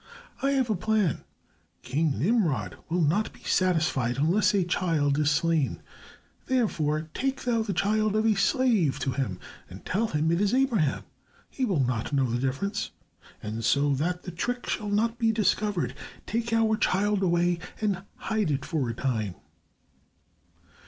I have a plan. King Nimrod will not be satisfied unless a child is slain. Therefore, take thou the child of a slave to him and tell him it is Abraham. He will not know the difference. And so that the trick shall not be discovered, take our child away and hide it for a time."